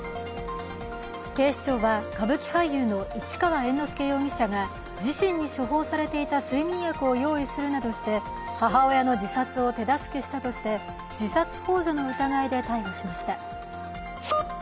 警視庁は歌舞伎俳優の市川猿之助容疑者が自身に処方されていた睡眠薬を用意するなどして、母親の自殺を手助けしたとして自殺ほう助の疑いで逮捕しました。